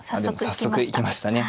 早速行きましたね。